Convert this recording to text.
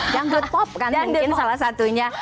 yang good pop kan mungkin salah satunya